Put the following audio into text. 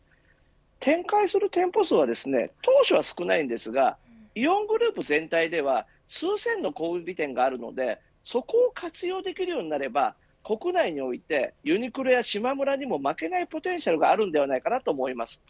展開する店舗数は当初は少ないですがイオングループ全体では数千の小売店があるのでそこを活用できるようになれば国内において、ユニクロやしまむらにも負けないポテンシャルはあるんではないかと思います。